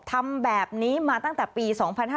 ทำแบบนี้มาตั้งแต่ปี๒๕๕๙